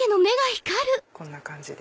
こんな感じで。